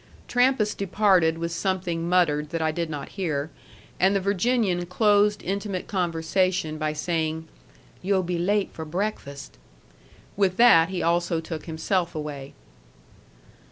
Trampas departed with something muttered that I did not hear, and the Virginian closed intimate conversation by saying, "You'll be late for breakfast." With that he also took himself away.